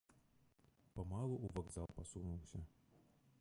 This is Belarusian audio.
Памалу ў вакзал пасунуўся.